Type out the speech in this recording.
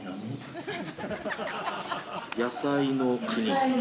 野菜の国。